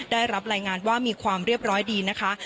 ได้รับรายงานว่ามีความเรียบร้อยดีนะคะ